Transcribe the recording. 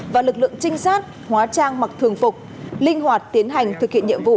và lực lượng trinh sát hóa trang mặc thường phục linh hoạt tiến hành thực hiện nhiệm vụ